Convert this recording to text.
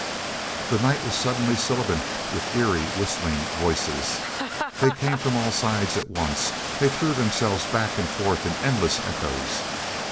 The night was suddenly sibilant with eery, whistling voices. They came from all sides at once; they threw themselves back and forth in endless echoes.